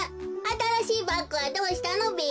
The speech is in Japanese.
あたらしいバッグはどうしたのべ？